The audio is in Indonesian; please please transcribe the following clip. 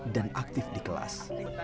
dan aktif di kelas